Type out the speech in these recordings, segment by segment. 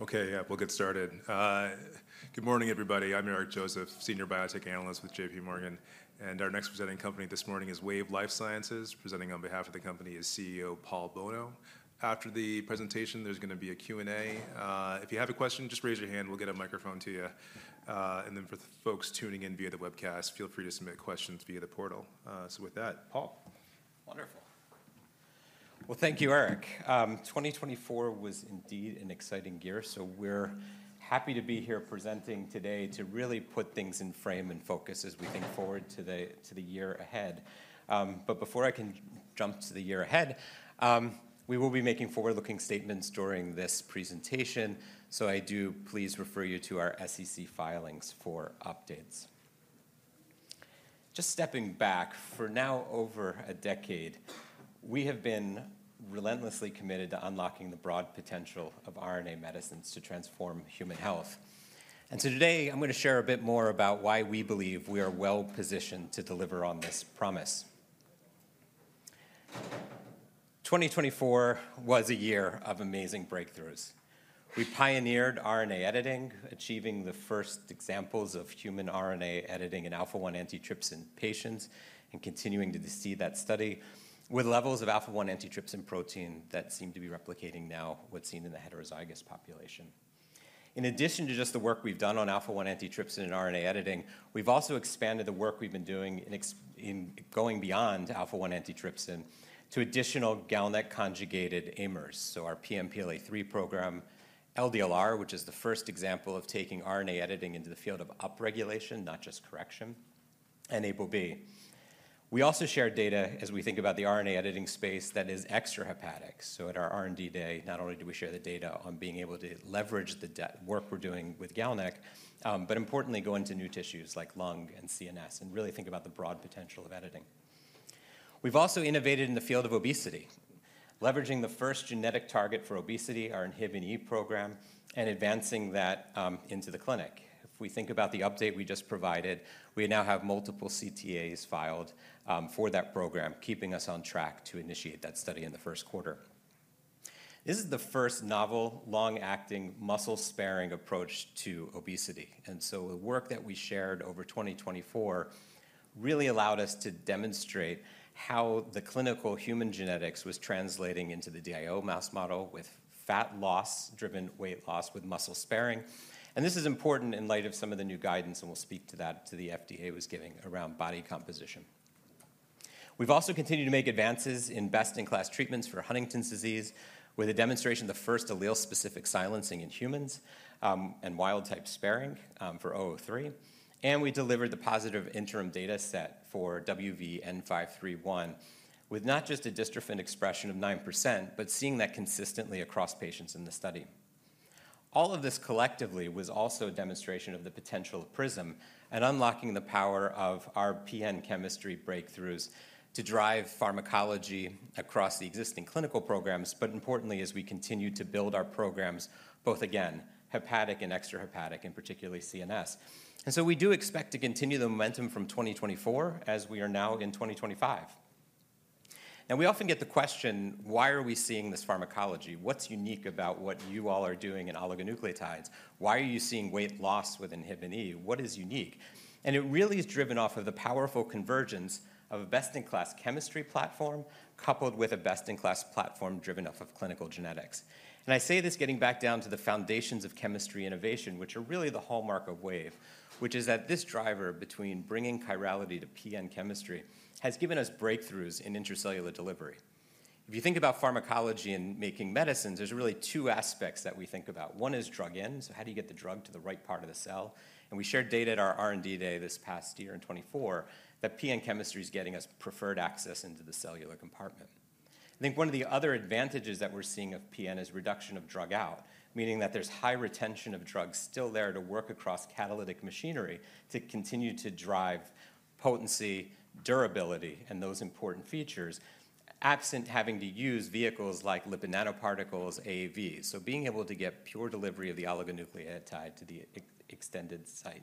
Okay, yeah, we'll get started. Good morning, everybody. I'm Eric Joseph, Senior Biotech Analyst with J.P. Morgan. And our next presenting company this morning is Wave Life Sciences. Presenting on behalf of the company is CEO Paul Bolno. After the presentation, there's going to be a Q&A. If you have a question, just raise your hand. We'll get a microphone to you. And then for the folks tuning in via the webcast, feel free to submit questions via the portal. So with that, Paul. Wonderful. Thank you, Eric. 2024 was indeed an exciting year, so we're happy to be here presenting today to really put things in frame and focus as we think forward to the year ahead. But before I can jump to the year ahead, we will be making forward-looking statements during this presentation, so I do please refer you to our SEC filings for updates. Just stepping back, for now over a decade, we have been relentlessly committed to unlocking the broad potential of RNA medicines to transform human health. And so today, I'm going to share a bit more about why we believe we are well positioned to deliver on this promise. 2024 was a year of amazing breakthroughs. We pioneered RNA editing, achieving the first examples of human RNA editing in alpha-1 antitrypsin patients and continuing to see that study with levels of alpha-1 antitrypsin protein that seem to be replicating now what's seen in the heterozygous population. In addition to just the work we've done on alpha-1 antitrypsin and RNA editing, we've also expanded the work we've been doing in going beyond alpha-1 antitrypsin to additional GalNAc-conjugated AIMers, so our PNPLA3 program, LDLR, which is the first example of taking RNA editing into the field of upregulation, not just correction, and ApoB. We also share data as we think about the RNA editing space that is extrahepatic. At our R&D day, not only do we share the data on being able to leverage the work we're doing with GalNAc, but importantly, go into new tissues like lung and CNS and really think about the broad potential of editing. We've also innovated in the field of obesity, leveraging the first genetic target for obesity, our INHBE program, and advancing that into the clinic. If we think about the update we just provided, we now have multiple CTAs filed for that program, keeping us on track to initiate that study in the first quarter. This is the first novel, long-acting, muscle-sparing approach to obesity, and so the work that we shared over 2024 really allowed us to demonstrate how the clinical human genetics was translating into the DIO mouse model with fat loss-driven weight loss with muscle sparing. And this is important in light of some of the new guidance, and we'll speak to that the FDA was giving around body composition. We've also continued to make advances in best-in-class treatments for Huntington's disease with a demonstration of the first allele-specific silencing in humans and wild-type sparing for 003. And we delivered the positive interim data set for WVE-N531 with not just a dystrophin expression of 9%, but seeing that consistently across patients in the study. All of this collectively was also a demonstration of the potential of PRISM and unlocking the power of our PN chemistry breakthroughs to drive pharmacology across the existing clinical programs, but importantly, as we continue to build our programs, both again, hepatic and extra hepatic, and particularly CNS. And so we do expect to continue the momentum from 2024 as we are now in 2025. We often get the question, why are we seeing this pharmacology? What's unique about what you all are doing in oligonucleotides? Why are you seeing weight loss with inhibin E? What is unique? It really is driven off of the powerful convergence of a best-in-class chemistry platform coupled with a best-in-class platform driven off of clinical genetics. I say this getting back down to the foundations of chemistry innovation, which are really the hallmark of Wave, which is that this driver between bringing chirality to PN chemistry has given us breakthroughs in intracellular delivery. If you think about pharmacology and making medicines, there's really two aspects that we think about. One is drug in, so how do you get the drug to the right part of the cell? And we shared data at our R&D day this past year in 2024 that PN chemistry is getting us preferred access into the cellular compartment. I think one of the other advantages that we're seeing of PN is reduction of drug out, meaning that there's high retention of drugs still there to work across catalytic machinery to continue to drive potency, durability, and those important features, absent having to use vehicles like lipid nanoparticles, AAVs. So being able to get pure delivery of the oligonucleotide to the extended site.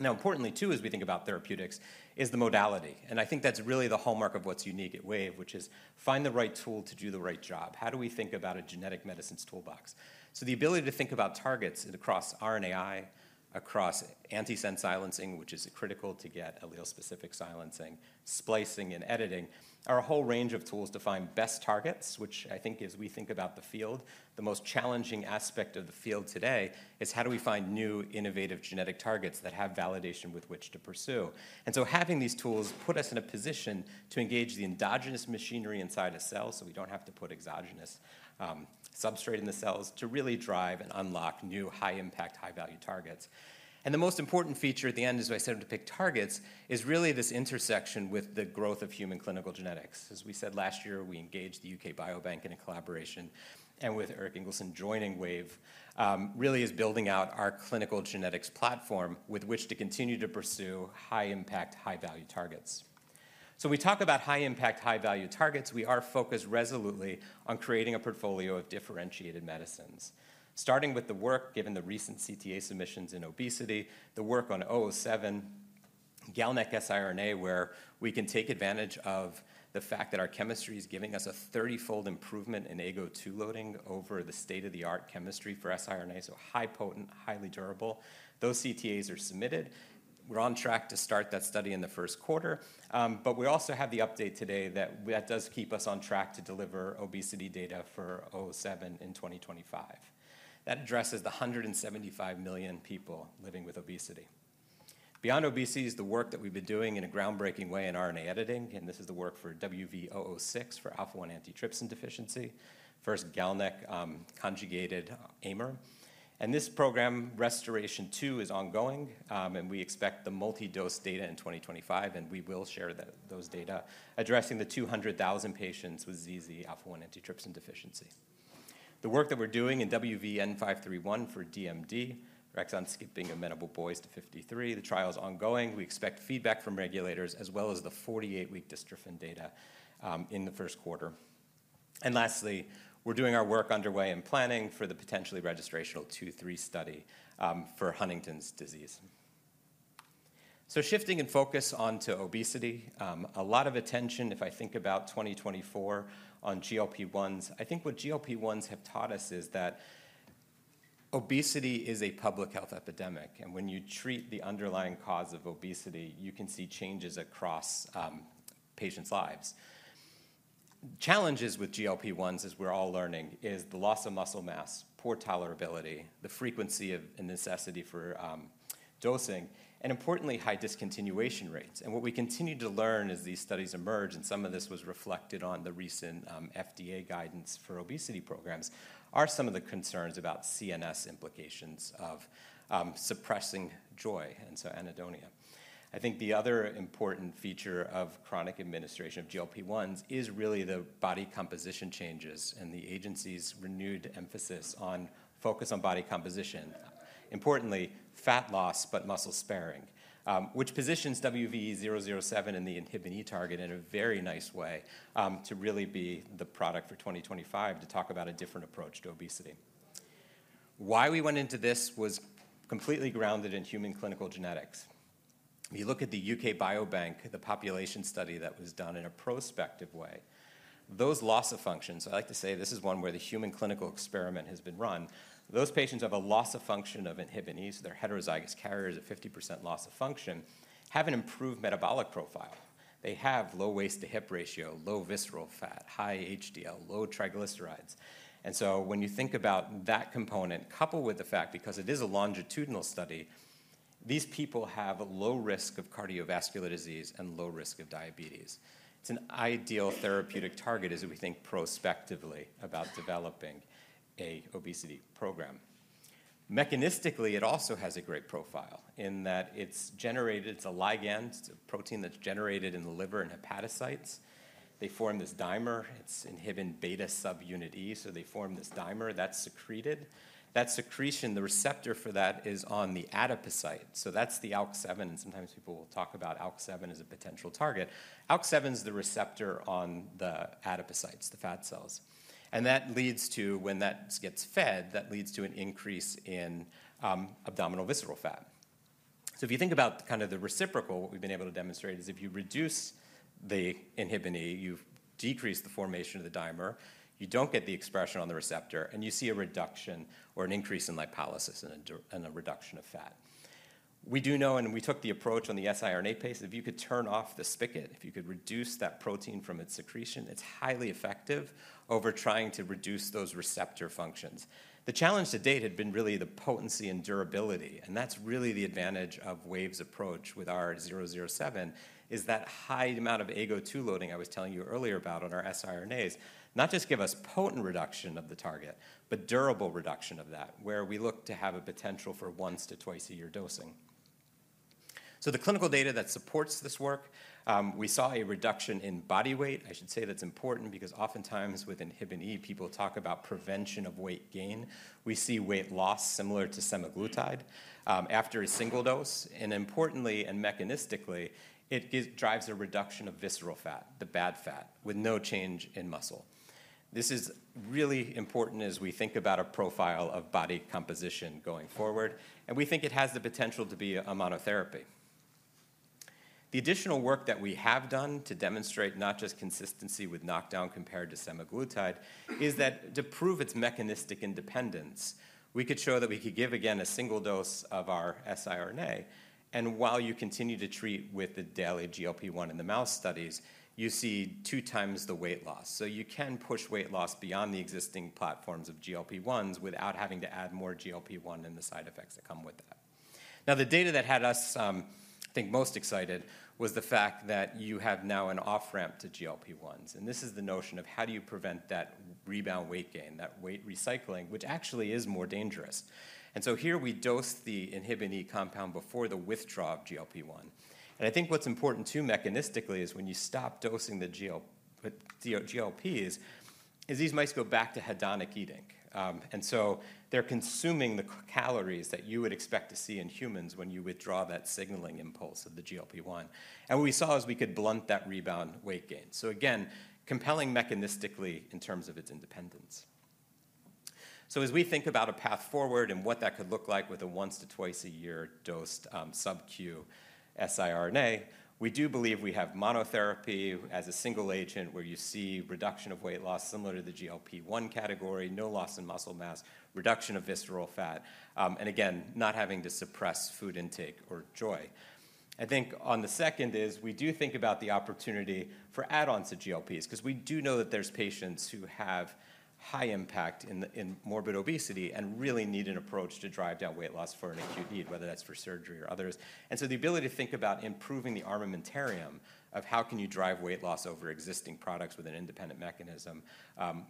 Now, importantly, too, as we think about therapeutics, is the modality. And I think that's really the hallmark of what's unique at Wave, which is find the right tool to do the right job. How do we think about a genetic medicines toolbox? So, the ability to think about targets across RNAi, across antisense silencing, which is critical to get allele-specific silencing, splicing, and editing, are a whole range of tools to find best targets, which I think, as we think about the field, the most challenging aspect of the field today is how do we find new innovative genetic targets that have validation with which to pursue. And so having these tools put us in a position to engage the endogenous machinery inside a cell so we don't have to put exogenous substrate in the cells to really drive and unlock new high-impact, high-value targets. And the most important feature at the end, as I said, to pick targets is really this intersection with the growth of human clinical genetics. As we said last year, we engaged the UK Biobank in a collaboration and with Erik Ingelsson joining Wave, really is building out our clinical genetics platform with which to continue to pursue high-impact, high-value targets. So we talk about high-impact, high-value targets. We are focused resolutely on creating a portfolio of differentiated medicines, starting with the work given the recent CTA submissions in obesity, the work on WVE-007, GalNAc siRNA, where we can take advantage of the fact that our chemistry is giving us a 30-fold improvement in AGO2 loading over the state-of-the-art chemistry for siRNA, so highly potent, highly durable. Those CTAs are submitted. We're on track to start that study in the first quarter. But we also have the update today that that does keep us on track to deliver obesity data for WVE-007 in 2025. That addresses the 175 million people living with obesity. Beyond obesity is the work that we've been doing in a groundbreaking way in RNA editing. This is the work for WVE-006 for alpha-1 antitrypsin deficiency, first GalNAc-conjugated AIMer. This program Restoration-2 is ongoing. We expect the multi-dose data in 2025. We will share those data addressing the 200,000 patients with ZZ alpha-1 antitrypsin deficiency. The work that we're doing in WVE-N531 for DMD, exon skipping amenable boys to 53, the trial is ongoing. We expect feedback from regulators as well as the 48-week dystrophin data in the first quarter. Lastly, we're doing our work underway and planning for the potentially registrational Q3 study for Huntington's disease. Shifting in focus onto obesity, a lot of attention, if I think about 2024 on GLP-1s, I think what GLP-1s have taught us is that obesity is a public health epidemic. When you treat the underlying cause of obesity, you can see changes across patients' lives. Challenges with GLP-1s, as we're all learning, is the loss of muscle mass, poor tolerability, the frequency of and necessity for dosing, and importantly, high discontinuation rates. What we continue to learn as these studies emerge, and some of this was reflected on the recent FDA guidance for obesity programs, are some of the concerns about CNS implications of suppressing joy, and so anhedonia. I think the other important feature of chronic administration of GLP-1s is really the body composition changes and the agency's renewed emphasis on focus on body composition. Importantly, fat loss, but muscle sparing, which positions WVE-007 in the inhibin E target in a very nice way to really be the product for 2025 to talk about a different approach to obesity. Why we went into this was completely grounded in human clinical genetics. If you look at the UK Biobank, the population study that was done in a prospective way, those loss of function, so I like to say this is one where the human clinical experiment has been run, those patients have a loss of function of inhibin E, so they're heterozygous carriers at 50% loss of function, have an improved metabolic profile. They have low waist-to-hip ratio, low visceral fat, high HDL, low triglycerides, and so when you think about that component, coupled with the fact, because it is a longitudinal study, these people have a low risk of cardiovascular disease and low risk of diabetes. It's an ideal therapeutic target as we think prospectively about developing an obesity program. Mechanistically, it also has a great profile in that it's generated. It's a ligand. It's a protein that's generated in the liver and hepatocytes. They form this dimer. It's inhibin beta subunit E, so they form this dimer that's secreted. That secretion, the receptor for that is on the adipocytes. So that's the ALK7, and sometimes people will talk about ALK7 as a potential target. ALK7 is the receptor on the adipocytes, the fat cells. And that leads to, when that gets fed, that leads to an increase in abdominal visceral fat. So if you think about kind of the reciprocal, what we've been able to demonstrate is if you reduce the inhibin E, you decrease the formation of the dimer, you don't get the expression on the receptor, and you see a reduction or an increase in lipolysis and a reduction of fat. We do know, and we took the approach on the siRNA space, if you could turn off the spigot, if you could reduce that protein from its secretion, it's highly effective over trying to reduce those receptor functions. The challenge to date had been really the potency and durability, and that's really the advantage of Wave's approach with our 007 is that high amount of AGO2 loading I was telling you earlier about on our siRNAs not just give us potent reduction of the target, but durable reduction of that, where we look to have a potential for once to twice a year dosing. So the clinical data that supports this work, we saw a reduction in body weight. I should say that's important because oftentimes with inhibin E, people talk about prevention of weight gain. We see weight loss similar to Semaglutide after a single dose. Importantly, and mechanistically, it drives a reduction of visceral fat, the bad fat, with no change in muscle. This is really important as we think about a profile of body composition going forward, and we think it has the potential to be a monotherapy. The additional work that we have done to demonstrate not just consistency with knockdown compared to Semaglutide is that to prove its mechanistic independence, we could show that we could give again a single dose of our siRNA. And while you continue to treat with the daily GLP-1 in the mouse studies, you see two times the weight loss. You can push weight loss beyond the existing platforms of GLP-1s without having to add more GLP-1 and the side effects that come with that. Now, the data that had us, I think, most excited was the fact that you have now an off-ramp to GLP-1s. And this is the notion of how do you prevent that rebound weight gain, that weight recycling, which actually is more dangerous. And so here we dose the inhibin E compound before the withdrawal of GLP-1. And I think what's important too mechanistically is when you stop dosing the GLPs, these mice go back to hedonic eating. And so they're consuming the calories that you would expect to see in humans when you withdraw that signaling impulse of the GLP-1. And what we saw is we could blunt that rebound weight gain. So again, compelling mechanistically in terms of its independence. As we think about a path forward and what that could look like with a once to twice a year dosed subQ siRNA, we do believe we have monotherapy as a single agent where you see reduction of weight loss similar to the GLP-1 category, no loss in muscle mass, reduction of visceral fat, and again, not having to suppress food intake or joy. I think on the second is we do think about the opportunity for add-ons to GLPs because we do know that there's patients who have high impact in morbid obesity and really need an approach to drive down weight loss for an acute need, whether that's for surgery or others. The ability to think about improving the armamentarium of how can you drive weight loss over existing products with an independent mechanism,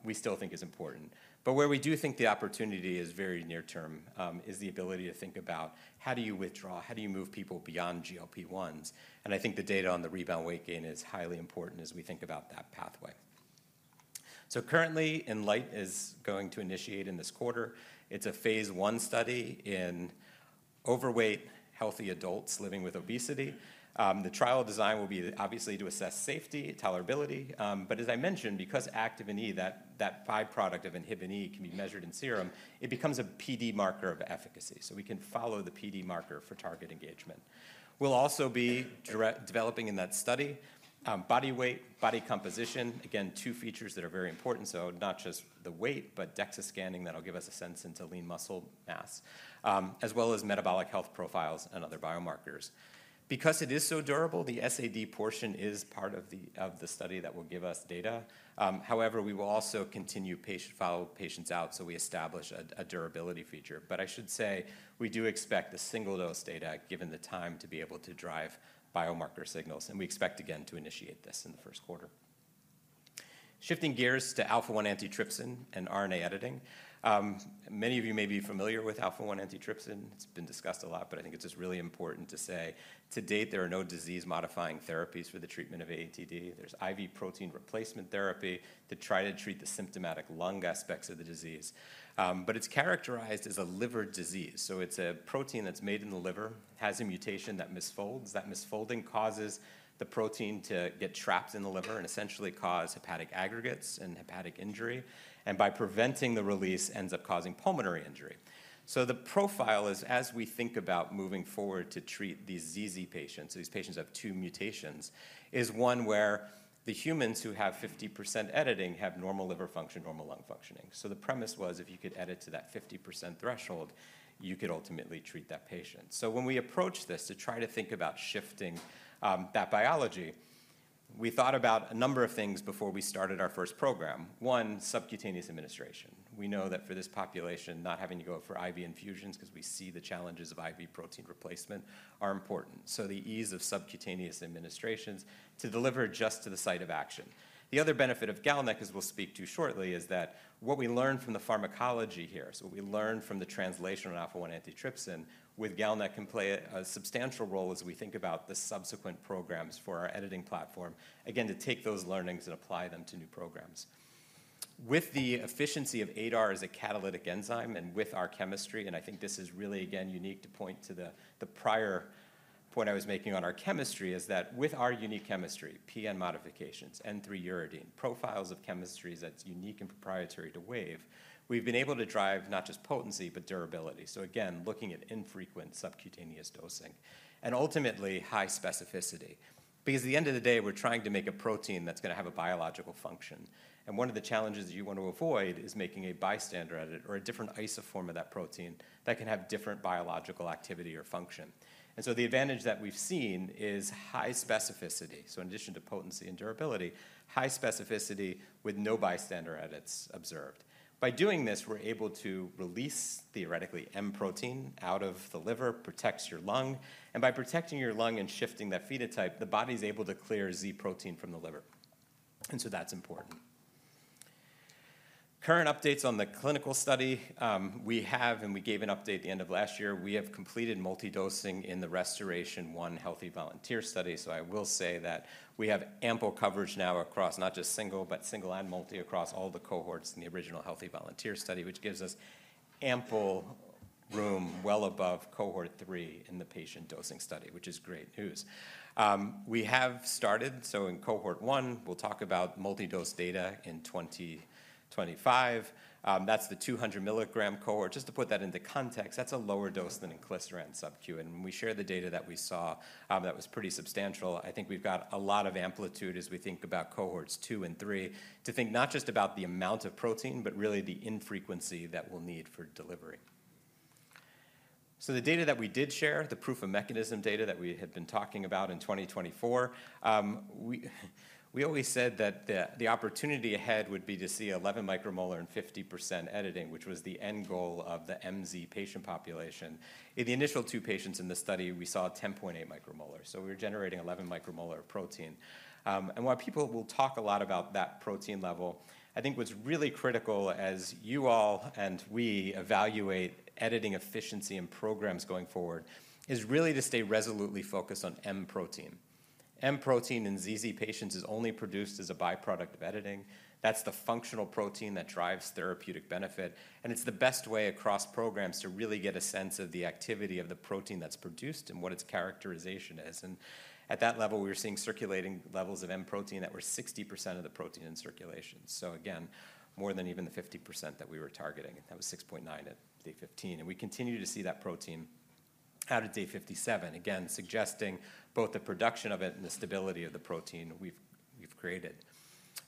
we still think is important. But where we do think the opportunity is very near-term is the ability to think about how do you withdraw, how do you move people beyond GLP-1s. And I think the data on the rebound weight gain is highly important as we think about that pathway. So currently, [Enlight] is going to initiate in this quarter. It's a phase one study in overweight healthy adults living with obesity. The trial design will be obviously to assess safety, tolerability. But as I mentioned, because Activin E, that byproduct of inhibin E can be measured in serum, it becomes a PD marker of efficacy. So we can follow the PD marker for target engagement. We'll also be developing in that study body weight, body composition, again, two features that are very important. So not just the weight, but DEXA scanning that'll give us a sense into lean muscle mass, as well as metabolic health profiles and other biomarkers. Because it is so durable, the SAD portion is part of the study that will give us data. However, we will also continue to follow patients out so we establish a durability feature. But I should say we do expect the single dose data given the time to be able to drive biomarker signals. And we expect again to initiate this in the first quarter. Shifting gears to alpha-1 antitrypsin and RNA editing. Many of you may be familiar with alpha-1 antitrypsin. It's been discussed a lot, but I think it's just really important to say to date, there are no disease-modifying therapies for the treatment of AATD. There's IV protein replacement therapy to try to treat the symptomatic lung aspects of the disease. But it's characterized as a liver disease. So it's a protein that's made in the liver, has a mutation that misfolds. That misfolding causes the protein to get trapped in the liver and essentially cause hepatic aggregates and hepatic injury. And by preventing the release, ends up causing pulmonary injury. So the profile is, as we think about moving forward to treat these ZZ patients, these patients have two mutations, is one where the humans who have 50% editing have normal liver function, normal lung functioning. So the premise was if you could edit to that 50% threshold, you could ultimately treat that patient. So when we approach this to try to think about shifting that biology, we thought about a number of things before we started our first program. One, subcutaneous administration. We know that for this population, not having to go for IV infusions because we see the challenges of IV protein replacement are important, so the ease of subcutaneous administrations to deliver just to the site of action. The other benefit of GalNAc, as we'll speak to shortly, is that what we learned from the pharmacology here, so what we learned from the translation of Alpha-1 antitrypsin with GalNAc can play a substantial role as we think about the subsequent programs for our editing platform, again, to take those learnings and apply them to new programs. With the efficiency of ADAR as a catalytic enzyme and with our chemistry, and I think this is really, again, unique to point to the prior point I was making on our chemistry, is that with our unique chemistry, PN modifications, N3 [uridine], profiles of chemistries that's unique and proprietary to Wave, we've been able to drive not just potency, but durability, so again looking at infrequent subcutaneous dosing and ultimately high specificity, because at the end of the day, we're trying to make a protein that's going to have a biological function, and one of the challenges that you want to avoid is making a bystander edit or a different isoform of that protein that can have different biological activity or function, and so the advantage that we've seen is high specificity, so in addition to potency and durability, high specificity with no bystander edits observed. By doing this, we're able to release theoretically M protein out of the liver, protects your lung, and by protecting your lung and shifting that phenotype, the body's able to clear Z protein from the liver, and so that's important. Current updates on the clinical study we have and we gave an update at the end of last year. We have completed multi-dosing in the Restoration-1 Healthy Volunteer study, so I will say that we have ample coverage now across not just single, but single and multi across all the cohorts in the original Healthy Volunteer study, which gives us ample room well above cohort three in the patient dosing study, which is great news. We have started, so in cohort one, we'll talk about multi-dose data in 2025. That's the 200mg cohort. Just to put that into context, that's a lower dose than in GLP-1 subQ. When we share the data that we saw, that was pretty substantial. I think we've got a lot of amplitude as we think about cohorts two and three to think not just about the amount of protein, but really the infrequency that we'll need for delivery. The data that we did share, the proof of mechanism data that we had been talking about in 2024, we always said that the opportunity ahead would be to see 11 micromolar in 50% editing, which was the end goal of the MZ patient population. In the initial two patients in the study, we saw 10.8 micromolar. We were generating 11 micromolar of protein. While people will talk a lot about that protein level, I think what's really critical as you all and we evaluate editing efficiency and programs going forward is really to stay resolutely focused on M protein. M protein in ZZ patients is only produced as a byproduct of editing. That's the functional protein that drives therapeutic benefit, and it's the best way across programs to really get a sense of the activity of the protein that's produced and what its characterization is, and at that level, we were seeing circulating levels of M protein that were 60% of the protein in circulation, so again, more than even the 50% that we were targeting. That was 6.9 at day 15, and we continue to see that protein out of day 57, again, suggesting both the production of it and the stability of the protein we've created.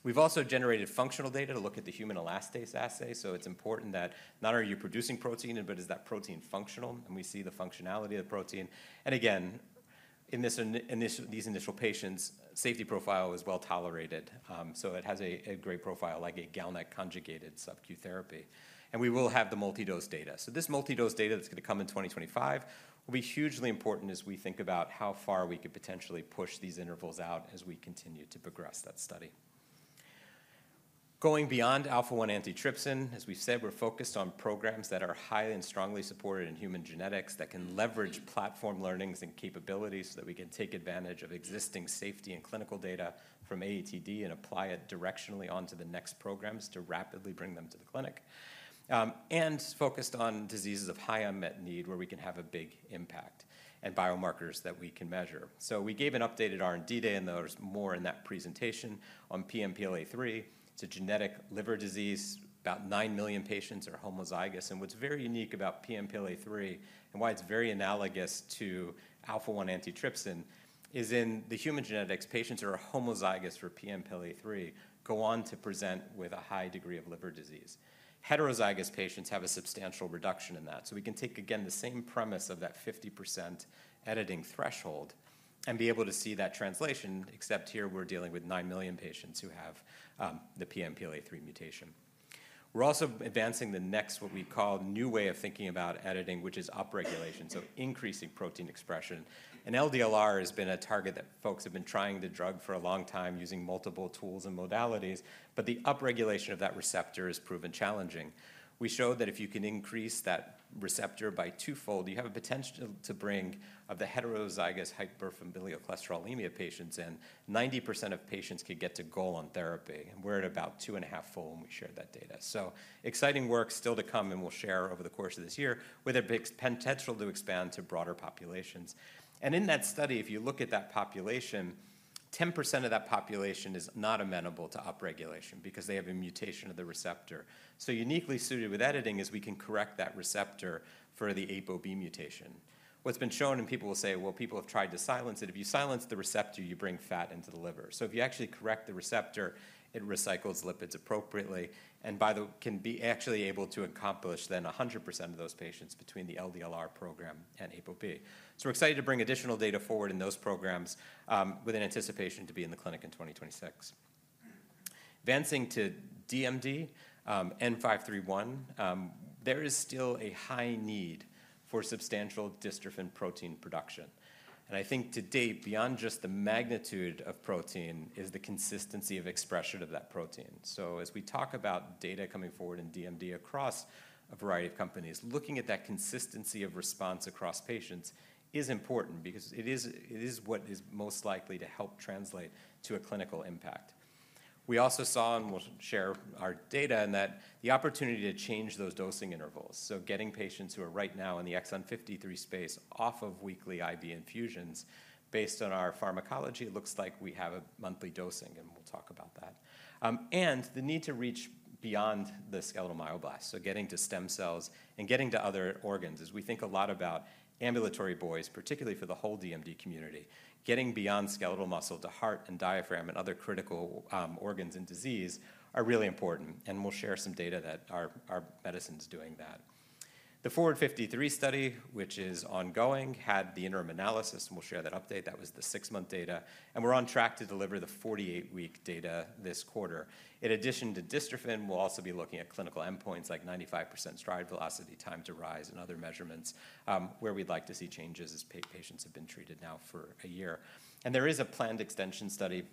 We've also generated functional data to look at the human elastase assay, so it's important that not are you producing protein, but is that protein functional, and we see the functionality of the protein. Again, in these initial patients, safety profile is well tolerated. It has a great profile like a GalNAc-conjugated subQ therapy. We will have the multi-dose data. This multi-dose data that's going to come in 2025 will be hugely important as we think about how far we could potentially push these intervals out as we continue to progress that study. Going beyond Alpha-1 antitrypsin, as we said, we're focused on programs that are highly and strongly supported in human genetics that can leverage platform learnings and capabilities so that we can take advantage of existing safety and clinical data from AATD and apply it directionally onto the next programs to rapidly bring them to the clinic. Focused on diseases of high unmet need where we can have a big impact and biomarkers that we can measure. So we gave an updated R&D day, and there's more in that presentation on PNPLA3. It's a genetic liver disease. About nine million patients are homozygous. And what's very unique about PNPLA3 and why it's very analogous to Alpha-1 antitrypsin is in the human genetics, patients who are homozygous for PNPLA3 go on to present with a high degree of liver disease. Heterozygous patients have a substantial reduction in that. So we can take, again, the same premise of that 50% editing threshold and be able to see that translation, except here we're dealing with nine million patients who have the PNPLA3 mutation. We're also advancing the next, what we call, new way of thinking about editing, which is upregulation, so increasing protein expression. And LDLR has been a target that folks have been trying to drug for a long time using multiple tools and modalities, but the upregulation of that receptor is proven challenging. We showed that if you can increase that receptor by twofold, you have a potential to bring the heterozygous familial hypercholesterolemia patients in, 90% of patients could get to goal on therapy. And we're at about two and a half fold when we shared that data. So exciting work still to come and we'll share over the course of this year with a potential to expand to broader populations. And in that study, if you look at that population, 10% of that population is not amenable to upregulation because they have a mutation of the receptor. So uniquely suited with editing is we can correct that receptor for the ApoB mutation. What's been shown, and people will say, well, people have tried to silence it. If you silence the receptor, you bring fat into the liver, so if you actually correct the receptor, it recycles lipids appropriately and can be actually able to accomplish then 100% of those patients between the LDLR program and ApoB, so we're excited to bring additional data forward in those programs with an anticipation to be in the clinic in 2026. Advancing to DMD, N531, there is still a high need for substantial dystrophin protein production, and I think today, beyond just the magnitude of protein is the consistency of expression of that protein, so as we talk about data coming forward in DMD across a variety of companies, looking at that consistency of response across patients is important because it is what is most likely to help translate to a clinical impact. We also saw, and we'll share our data, in that the opportunity to change those dosing intervals. So getting patients who are right now in the exon 53 space off of weekly IV infusions based on our pharmacology, it looks like we have a monthly dosing, and we'll talk about that. And the need to reach beyond the skeletal muscle, so getting to stem cells and getting to other organs as we think a lot about ambulatory boys, particularly for the whole DMD community, getting beyond skeletal muscle to heart and diaphragm and other critical organs and disease are really important. And we'll share some data that our medicine is doing that. The Forward-53 study, which is ongoing, had the interim analysis. We'll share that update. That was the six-month data. And we're on track to deliver the 48-week data this quarter. In addition to dystrophin, we'll also be looking at clinical endpoints like 95% stride velocity, time to rise, and other measurements where we'd like to see changes as patients have been treated now for a year, and there is a planned extension study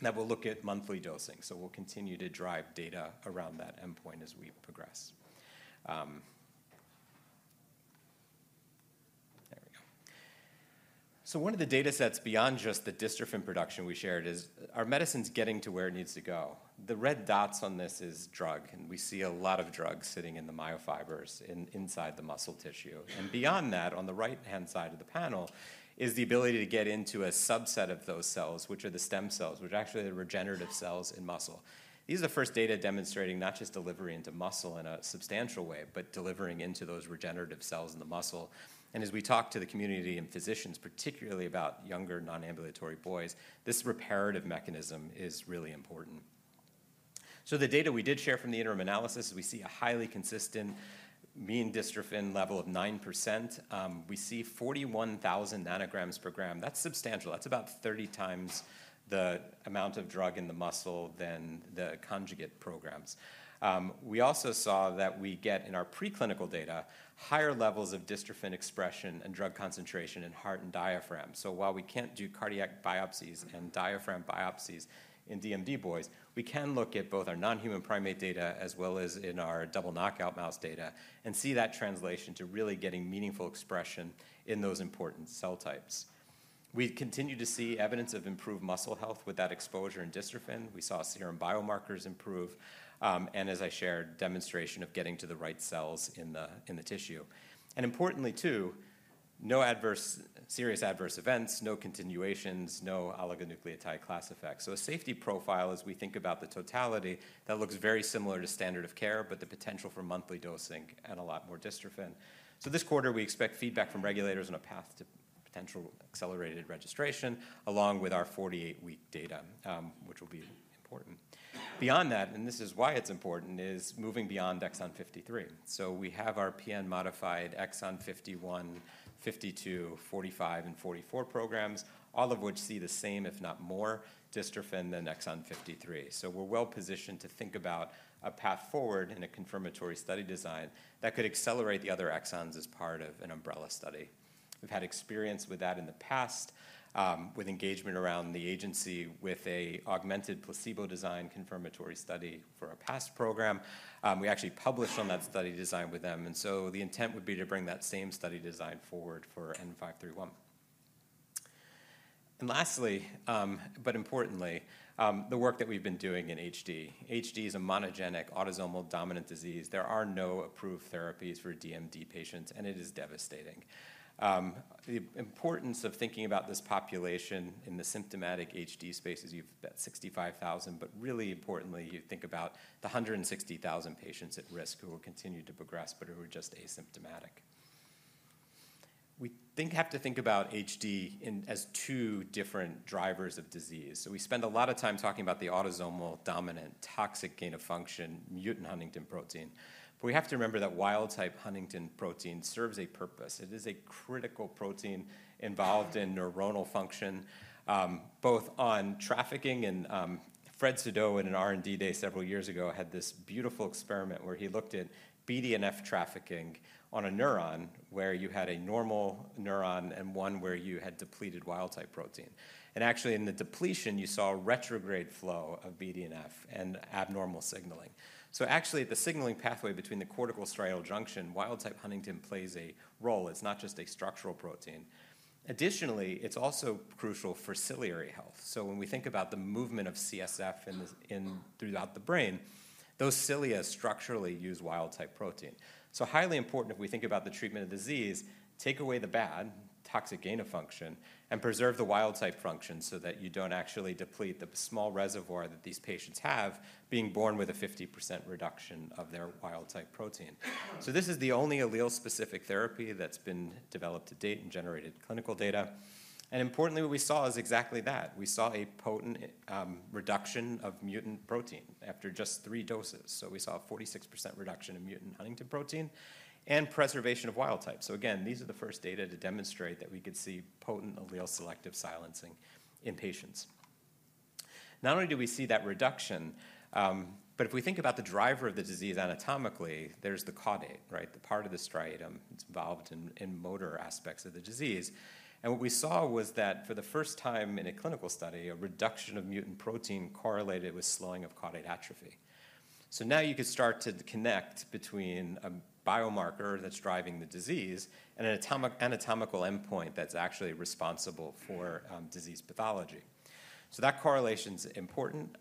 that will look at monthly dosing, so we'll continue to drive data around that endpoint as we progress. There we go, so one of the data sets beyond just the dystrophin production we shared is our medicine's getting to where it needs to go. The red dots on this is drug, and we see a lot of drug sitting in the myofibers inside the muscle tissue, and beyond that, on the right-hand side of the panel is the ability to get into a subset of those cells, which are the stem cells, which actually are regenerative cells in muscle. These are the first data demonstrating not just delivery into muscle in a substantial way, but delivering into those regenerative cells in the muscle. And as we talk to the community and physicians, particularly about younger non-ambulatory boys, this reparative mechanism is really important. So the data we did share from the interim analysis, we see a highly consistent mean dystrophin level of 9%. We see 41,000ng per gram. That's substantial. That's about 30 times the amount of drug in the muscle than the conjugate programs. We also saw that we get in our preclinical data, higher levels of dystrophin expression and drug concentration in heart and diaphragm. So while we can't do cardiac biopsies and diaphragm biopsies in DMD boys, we can look at both our non-human primate data as well as in our double knockout mouse data and see that translation to really getting meaningful expression in those important cell types. We continue to see evidence of improved muscle health with that exposure and dystrophin. We saw serum biomarkers improve. And as I shared, demonstration of getting to the right cells in the tissue. And importantly, too, no serious adverse events, no discontinuations, no oligonucleotide class effects. So a safety profile as we think about the totality that looks very similar to standard of care, but the potential for monthly dosing and a lot more dystrophin. So this quarter, we expect feedback from regulators on a path to potential accelerated registration along with our 48-week data, which will be important. Beyond that, and this is why it's important, is moving beyond exon 53, so we have our PN modified exon 51, 52, 45, and 44 programs, all of which see the same, if not more, dystrophin than exon 53. So we're well positioned to think about a path forward in a confirmatory study design that could accelerate the other exons as part of an umbrella study. We've had experience with that in the past with engagement around the agency with an augmented placebo design confirmatory study for a past program. We actually published on that study design with them, and so the intent would be to bring that same study design forward for N531, and lastly, but importantly, the work that we've been doing in HD. HD is a monogenic autosomal dominant disease. There are no approved therapies for DMD patients, and it is devastating. The importance of thinking about this population in the symptomatic HD space is you've got 65,000, but really importantly, you think about the 160,000 patients at risk who will continue to progress, but who are just asymptomatic. We have to think about HD as two different drivers of disease, so we spend a lot of time talking about the autosomal dominant toxic gain of function, mutant Huntington protein, but we have to remember that wild-type Huntington protein serves a purpose. It is a critical protein involved in neuronal function, both on trafficking, and Fred Saudou in an R&D day several years ago had this beautiful experiment where he looked at BDNF trafficking on a neuron where you had a normal neuron and one where you had depleted wild-type protein, and actually, in the depletion, you saw retrograde flow of BDNF and abnormal signaling. So actually, the signoid pathway between the cortical striatal junction wild-type huntingtin plays a role. It's not just a structural protein. Additionally, it's also crucial for ciliary health. So when we think about the movement of CSF throughout the brain, those cilia structurally use wild-type protein. So highly important, if we think about the treatment of disease, take away the bad toxic gain of function and preserve the wild-type function so that you don't actually deplete the small reservoir that these patients have being born with a 50% reduction of their wild-type protein. So this is the only allele-specific therapy that's been developed to date and generated clinical data. And importantly, what we saw is exactly that. We saw a potent reduction of mutant protein after just three doses. So we saw a 46% reduction in mutant Huntingtin protein and preservation of wild-type. So again, these are the first data to demonstrate that we could see potent allele-selective silencing in patients. Not only do we see that reduction, but if we think about the driver of the disease anatomically, there's the caudate, right? The part of the striatum that's involved in motor aspects of the disease. And what we saw was that for the first time in a clinical study, a reduction of mutant protein correlated with slowing of caudate atrophy. So now you could start to connect between a biomarker that's driving the disease and an anatomical endpoint that's actually responsible for disease pathology. So that correlation's important.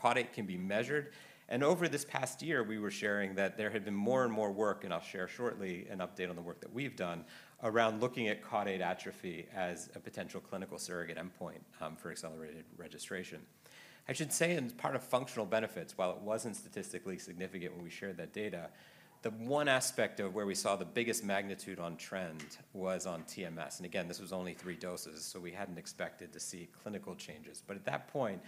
Caudate can be measured. Over this past year, we were sharing that there had been more and more work, and I'll share shortly an update on the work that we've done around looking at caudate atrophy as a potential clinical surrogate endpoint for accelerated registration. I should say, in part of functional benefits, while it wasn't statistically significant when we shared that data, the one aspect of where we saw the biggest magnitude on trend was on TMS. Again, this was only three doses, so we hadn't expected to see clinical changes. At that point,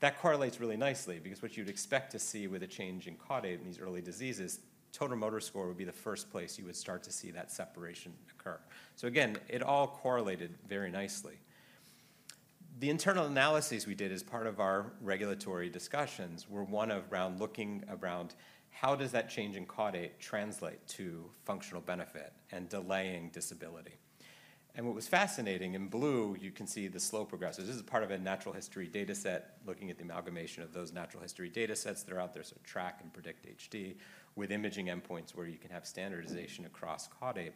that correlates really nicely because what you'd expect to see with a change in caudate in these early diseases, total motor score would be the first place you would start to see that separation occur. Again, it all correlated very nicely. The internal analyses we did as part of our regulatory discussions were one around looking around how does that change in caudate translate to functional benefit and delaying disability. And what was fascinating, in blue, you can see the slow progressors. This is part of a natural history data set looking at the amalgamation of those natural history data sets that are out there to track and predict HD with imaging endpoints where you can have standardization across caudate.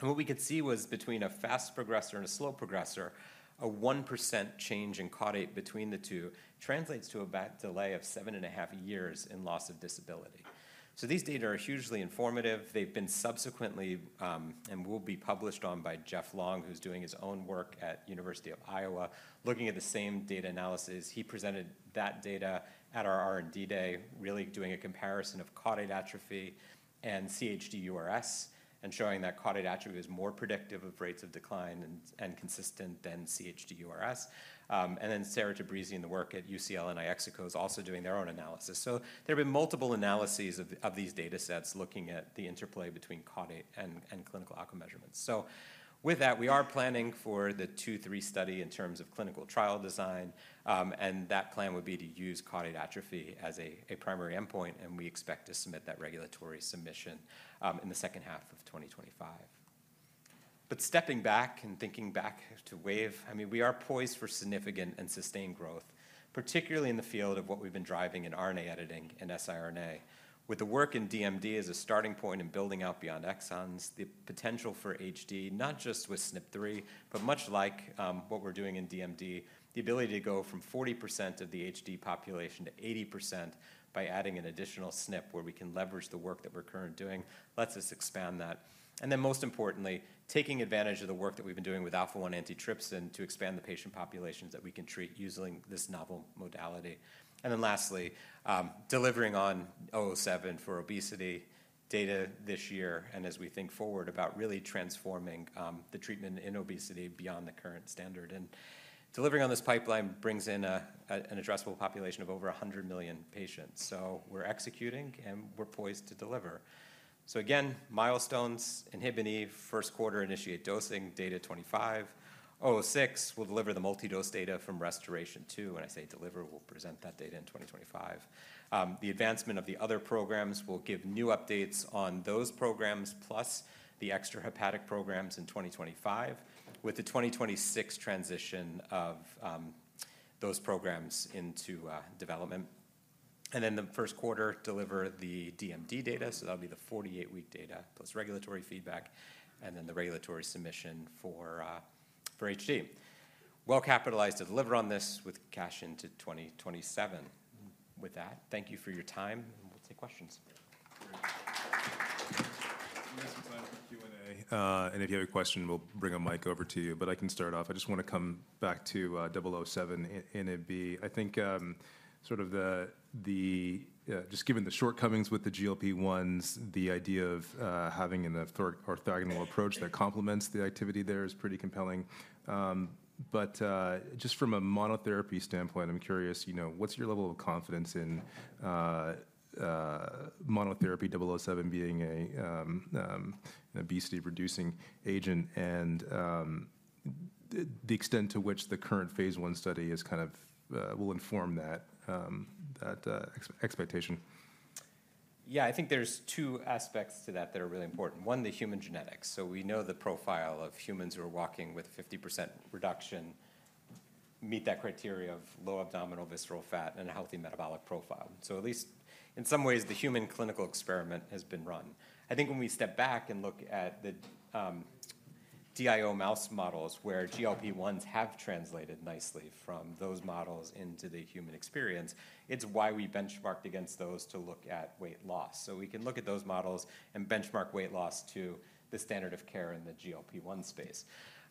And what we could see was between a fast progressor and a slow progressor, a 1% change in caudate between the two translates to a delay of seven and a half years in loss of disability. So these data are hugely informative. They've been subsequently and will be published on by Jeff Long, who's doing his own work at University of Iowa, looking at the same data analysis. He presented that data at our R&D day, really doing a comparison of caudate atrophy and cUHDRS and showing that caudate atrophy was more predictive of rates of decline and consistent than cUHDRS, and then Sarah Tabrizi in the work at UCL and IXICO is also doing their own analysis, so there have been multiple analyses of these data sets looking at the interplay between caudate and clinical outcome measurements, so with that, we are planning for the Q3 study in terms of clinical trial design, and that plan would be to use caudate atrophy as a primary endpoint, and we expect to submit that regulatory submission in the second half of 2025, but stepping back and thinking back to Wave, I mean, we are poised for significant and sustained growth, particularly in the field of what we've been driving in RNA editing and siRNA. With the work in DMD as a starting point and building out beyond exons, the potential for HD, not just with SNP3, but much like what we're doing in DMD, the ability to go from 40% of the HD population to 80% by adding an additional SNP where we can leverage the work that we're currently doing lets us expand that. And then most importantly, taking advantage of the work that we've been doing with Alpha-1 antitrypsin to expand the patient populations that we can treat using this novel modality. And then lastly, delivering on 007 for obesity data this year and as we think forward about really transforming the treatment in obesity beyond the current standard. And delivering on this pipeline brings in an addressable population of over 100 million patients. So we're executing, and we're poised to deliver. So again, milestones: INHBE, Q1, initiate dosing, data 2025. 006 will deliver the multidose data from Restoration-2. When I say deliver, we'll present that data in 2025. The advancement of the other programs will give new updates on those programs, plus the extrahepatic programs in 2025, with the 2026 transition of those programs into development. And then the Q1, deliver the DMD data. So that'll be the 48-week data plus regulatory feedback and then the regulatory submission for HD. Well capitalized to deliver on this with cash into 2027. With that, thank you for your time, and we'll take questions. Thanks for the time for Q&A. And if you have a question, we'll bring a mic over to you. But I can start off. I just want to come back to 007, NAB. I think sort of the just given the shortcomings with the GLP-1s, the idea of having an orthogonal approach that complements the activity there is pretty compelling. But just from a monotherapy standpoint, I'm curious, what's your level of confidence in monotherapy 007 being an obesity-reducing agent and the extent to which the current phase 1 study is kind of will inform that expectation? Yeah, I think there's two aspects to that that are really important. One, the human genetics. So we know the profile of humans who are walking with a 50% reduction meet that criteria of low abdominal visceral fat and a healthy metabolic profile. So at least in some ways, the human clinical experiment has been run. I think when we step back and look at the DIO mouse models where GLP-1s have translated nicely from those models into the human experience, it's why we benchmarked against those to look at weight loss. So we can look at those models and benchmark weight loss to the standard of care in the GLP-1 space.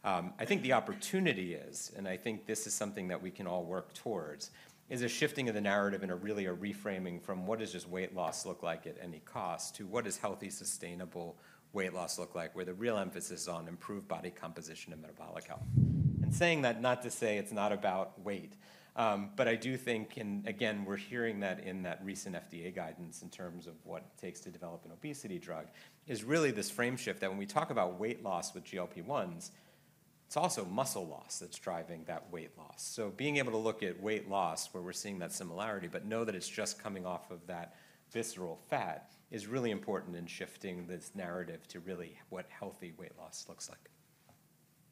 I think the opportunity is, and I think this is something that we can all work towards, is a shifting of the narrative and really a reframing from what does just weight loss look like at any cost to what does healthy, sustainable weight loss look like, with a real emphasis on improved body composition and metabolic health, and saying that, not to say it's not about weight, but I do think, and again, we're hearing that in that recent FDA guidance in terms of what it takes to develop an obesity drug, is really this frame shift that when we talk about weight loss with GLP-1s, it's also muscle loss that's driving that weight loss. So being able to look at weight loss where we're seeing that similarity, but know that it's just coming off of that visceral fat, is really important in shifting this narrative to really what healthy weight loss looks like.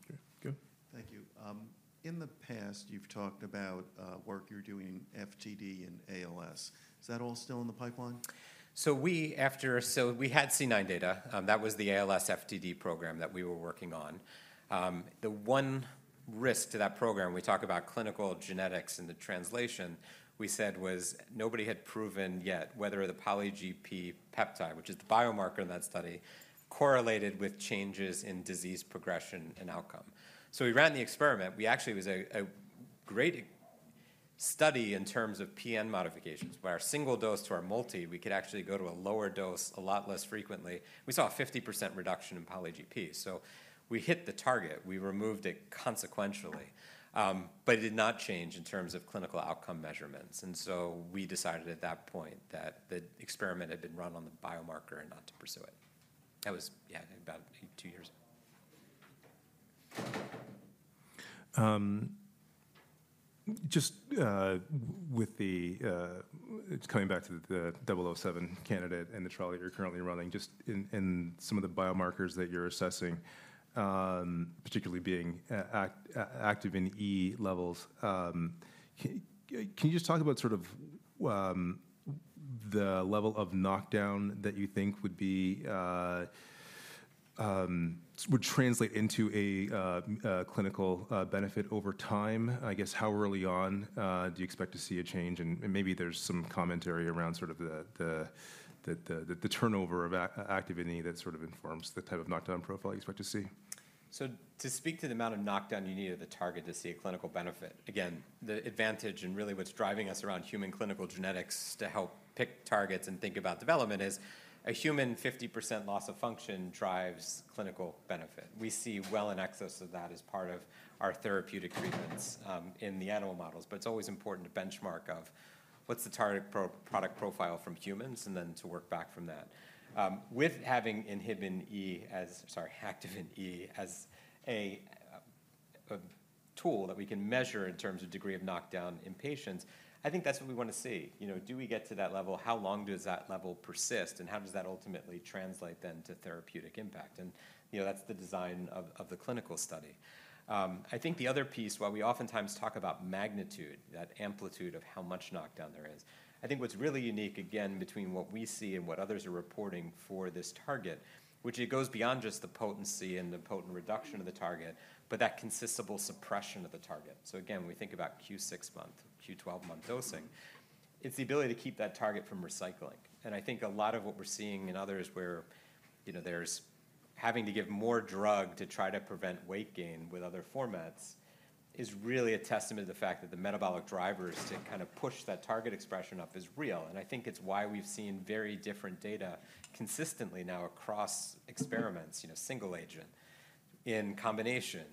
Okay. Good. Thank you. In the past, you've talked about work you're doing FTD and ALS. Is that all still in the pipeline? So, after we had C9 data. That was the ALS FTD program that we were working on. The one risk to that program, we talk about clinical genetics and the translation, we said was nobody had proven yet whether the PolyGP peptide, which is the biomarker in that study, correlated with changes in disease progression and outcome. We ran the experiment. We actually, it was a great study in terms of PN modifications. By our single dose to our multi, we could actually go to a lower dose a lot less frequently. We saw a 50% reduction in PolyGP. We hit the target. We removed it consequentially. But it did not change in terms of clinical outcome measurements, and so we decided at that point that the experiment had been run on the biomarker and not to pursue it. That was, yeah, about two years ago. Just with the coming back to the 007 candidate and the trial that you're currently running, just in some of the biomarkers that you're assessing, particularly Activin E levels, can you just talk about sort of the level of knockdown that you think would translate into a clinical benefit over time? I guess how early on do you expect to see a change? And maybe there's some commentary around sort of the turnover of activity that sort of informs the type of knockdown profile you expect to see. So to speak to the amount of knockdown you need at the target to see a clinical benefit, again, the advantage and really what's driving us around human clinical genetics to help pick targets and think about development is a human 50% loss of function drives clinical benefit. We see well in excess of that as part of our therapeutic treatments in the animal models. But it's always important to benchmark of what's the target product profile from humans and then to work back from that. With having inhibin E as sorry, activin E as a tool that we can measure in terms of degree of knockdown in patients, I think that's what we want to see. Do we get to that level? How long does that level persist? And how does that ultimately translate then to therapeutic impact? And that's the design of the clinical study. I think the other piece, while we oftentimes talk about magnitude, that amplitude of how much knockdown there is. I think what's really unique, again, between what we see and what others are reporting for this target, which it goes beyond just the potency and the potent reduction of the target, but that consistent suppression of the target. So again, when we think about Q6 month, Q12 month dosing, it's the ability to keep that target from recycling. And I think a lot of what we're seeing in others where there's having to give more drug to try to prevent weight gain with other formats is really a testament to the fact that the metabolic drivers to kind of push that target expression up is real. I think it's why we've seen very different data consistently now across experiments, single agent, in combination,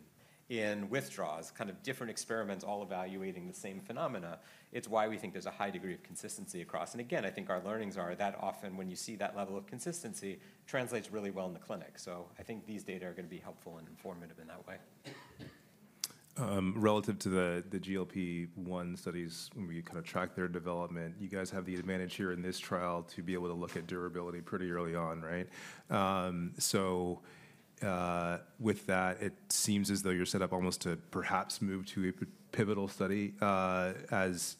in withdrawals, kind of different experiments all evaluating the same phenomena. It's why we think there's a high degree of consistency across. Again, I think our learnings are that often when you see that level of consistency, it translates really well in the clinic. I think these data are going to be helpful and informative in that way. Relative to the GLP-1 studies, when we kind of track their development, you guys have the advantage here in this trial to be able to look at durability pretty early on, right? So with that, it seems as though you're set up almost to perhaps move to a pivotal study as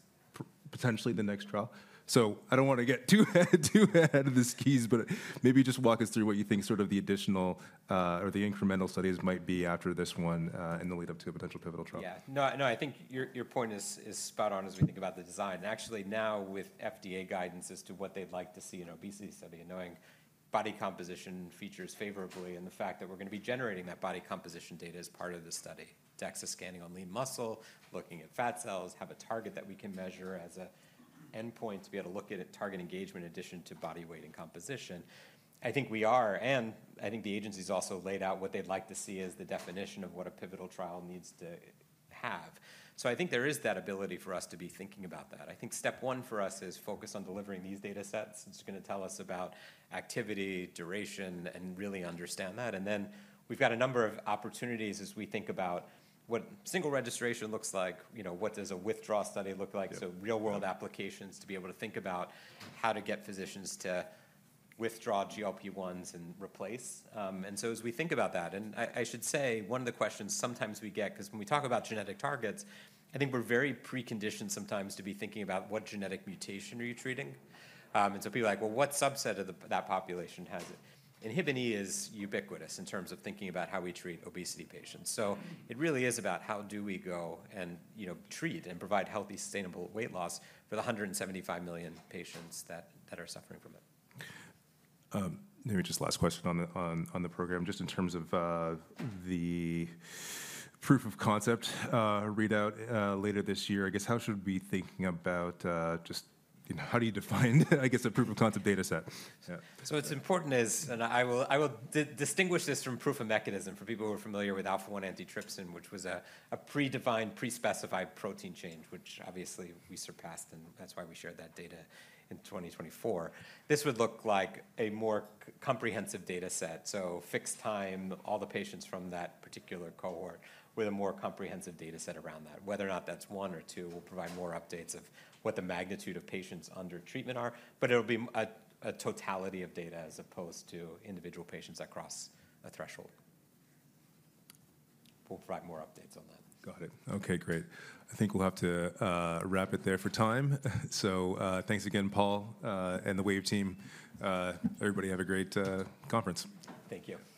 potentially the next trial. So I don't want to get too ahead of the skis, but maybe just walk us through what you think sort of the additional or the incremental studies might be after this one in the lead up to a potential pivotal trial. Yeah. No, I think your point is spot on as we think about the design. Actually, now with FDA guidance as to what they'd like to see in obesity study and knowing body composition features favorably and the fact that we're going to be generating that body composition data as part of the study, DEXA scanning on lean muscle, looking at fat cells, have a target that we can measure as an endpoint to be able to look at target engagement in addition to body weight and composition, I think we are, and I think the agency has also laid out what they'd like to see as the definition of what a pivotal trial needs to have, so I think there is that ability for us to be thinking about that. I think step one for us is focus on delivering these data sets. It's going to tell us about activity, duration, and really understand that. And then we've got a number of opportunities as we think about what single registration looks like, what does a withdrawal study look like, so real-world applications to be able to think about how to get physicians to withdraw GLP-1s and replace. And so as we think about that, and I should say, one of the questions sometimes we get, because when we talk about genetic targets, I think we're very preconditioned sometimes to be thinking about what genetic mutation are you treating. And so people are like, well, what subset of that population has it? Inhibin E is ubiquitous in terms of thinking about how we treat obesity patients. So it really is about how do we go and treat and provide healthy, sustainable weight loss for the 175 million patients that are suffering from it. Maybe just last question on the program, just in terms of the proof of concept readout later this year. I guess how should we be thinking about just how do you define, I guess, a proof of concept data set? So what's important is, and I will distinguish this from proof of mechanism for people who are familiar with Alpha-1 antitrypsin, which was a predefined, pre-specified protein change, which obviously we surpassed, and that's why we shared that data in 2024. This would look like a more comprehensive data set. So fixed time, all the patients from that particular cohort with a more comprehensive data set around that. Whether or not that's one or two will provide more updates of what the magnitude of patients under treatment are. But it'll be a totality of data as opposed to individual patients across a threshold. We'll provide more updates on that. Got it. Okay, great. I think we'll have to wrap it there for time. So thanks again, Paul and the Wave team. Everybody, have a great conference. Thank you.